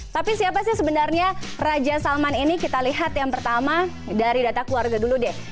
tapi siapa sih sebenarnya raja salman ini kita lihat yang pertama dari data keluarga dulu deh